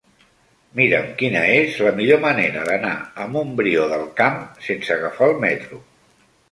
Mira'm quina és la millor manera d'anar a Montbrió del Camp sense agafar el metro.